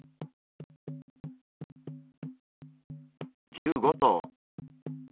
１５頭。